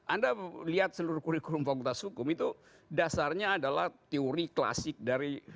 anda lihat seluruh kurikulum fakultas hukum itu dasarnya adalah teori klasik dari